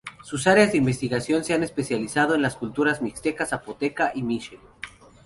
Sus áreas de investigación se han especializado en las culturas mixteca, zapoteca y mixe.